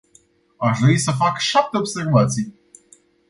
Aș dori să fac șapte observații.